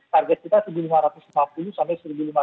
target kita satu lima ratus lima puluh sampai satu lima ratus